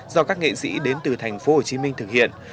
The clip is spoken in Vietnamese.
do các nghệ sĩ đến từ thành phố hồ chí minh thực hiện